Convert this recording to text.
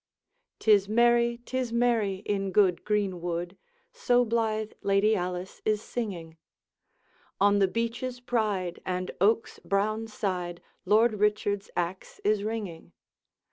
'tis merry, 'tis merry, in good greenwood; So blithe Lady Alice is singing; On the beech's pride, and oak's brown side, Lord Richard's axe is ringing.